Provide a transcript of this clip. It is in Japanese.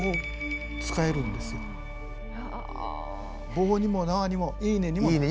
棒にも縄にも「いいね」にもなる。